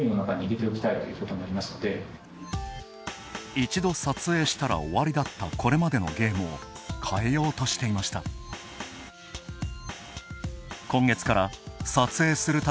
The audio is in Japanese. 一度、撮影したら終わりだったこれまでのゲームを変えようとしていました。